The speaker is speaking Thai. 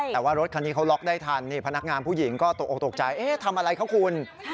แต่ว่ารถคันนี้เขาล็อกได้ทันพนักงานผู้หญิงก็ตกใจทำอะไรเขาคุณ